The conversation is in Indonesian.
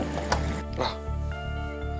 tapi gak ada menemu